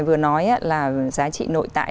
vừa nói là giá trị nội tại